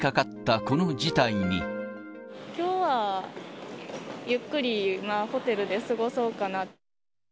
きょうは、ゆっくり、今、ホテルで過ごそうかな。